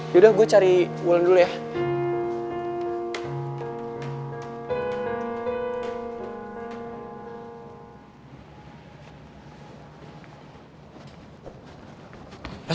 yaudah gue cari bulan dulu ya